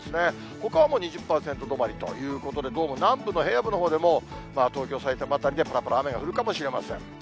ほかはもう２０％止まりということで、どうも南部の平野部のほうでも、東京、さいたま辺りでぱらぱら雨が降るかもしれません。